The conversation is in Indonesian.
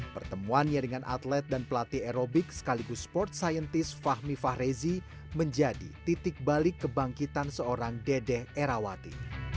pertemuannya dengan atlet dan pelatih aerobik sekaligus sport scientist fahmi fahrezi menjadi titik balik kebangkitan seorang dedek erawati